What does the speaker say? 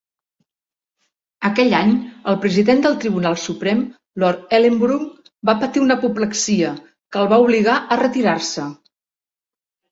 Aquell any, el president del Tribunal Suprem, Lord Ellenborough, va patir una apoplexia que el va obligar a retirar-se.